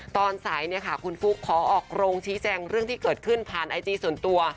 ตอนสายเนี่ยค่ะคุณฟุ๊กขอออกโรงชี้แจงเรื่องที่เกิดขึ้นผ่านไอจีส่วนตัว